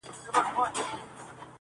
دیدن د بادو پیمانه ده-